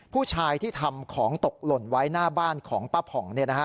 ผู้ชายที่ทำของตกหล่นไว้หน้าบ้านของป้าผ่อง